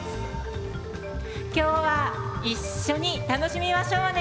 今日は一緒に楽しみましょうね。